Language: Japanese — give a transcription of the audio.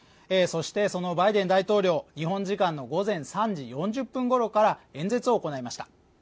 そしてそのバイデン大統領、日本時間の午前３時４０分ごろから演説を行いました。